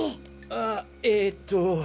あえっと。